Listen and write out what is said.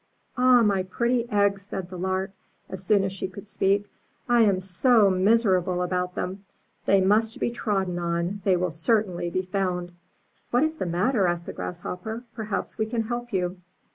'*Ah, my pretty eggs!" said the Lark, as soon as she could speak, '*I am so miserable about them — they must be trodden on, they will certainly be found." '*What is the matter?" asked the Grasshopper. * 'Perhaps we can help you."